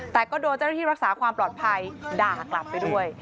แต่ก็โดนเจ้าหน้าที่รักษาความปลอดภัยด่ากลับไปด้วย